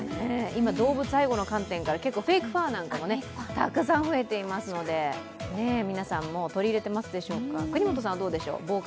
今、動物愛護の観点からフェイクファーなんかもたくさん増えていますので、皆さん、もう取り入れていますでしょうか、國本さん、どうでしょう？